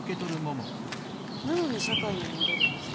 なのに社会に戻るんですか？